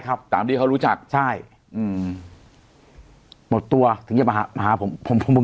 ครับตามที่เขารู้จักใช่อืมหมดตัวถึงจะมาหามาหาผมผมผม